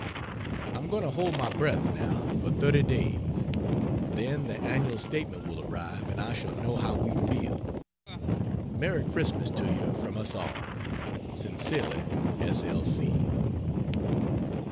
I'm going to hold my breath, now, for 30 days then the annual statement will arrive and I shall know how we feel! Merry Xmas to you from us all. Sincerely, S. L.